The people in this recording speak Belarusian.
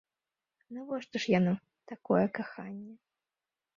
Навошта ж яно, такое каханне?